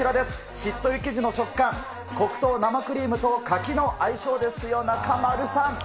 しっとり生地の食感、黒糖生クリームと柿の相性ですよ、中丸さん。